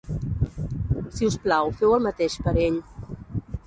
Si us plau, feu el mateix per ell.